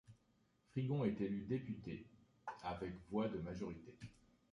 Frigon est élu député, avec voix de majorité.